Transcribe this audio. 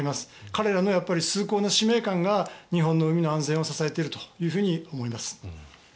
彼らの崇高な使命感が日本の海の安全を支えていると思います。